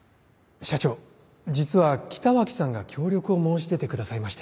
社長実は北脇さんが協力を申し出てくださいまして。